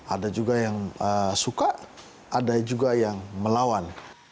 ada juga yang suka ada juga yang melawan